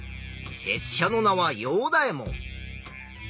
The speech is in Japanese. せっしゃの名はヨウダエモン。